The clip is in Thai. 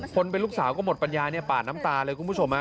เป็นลูกสาวก็หมดปัญญาปาดน้ำตาเลยคุณผู้ชม